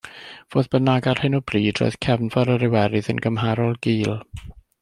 Fodd bynnag, ar hyn o bryd, roedd Cefnfor yr Iwerydd yn gymharol gul.